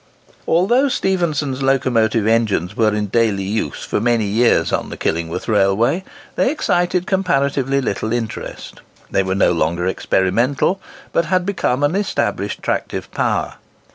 Although Stephenson's locomotive engines were in daily use for many years on the Killingworth Railway, they excited comparatively little interest. They were no longer experimental, but had become an established tractive power.